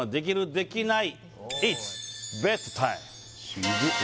できない？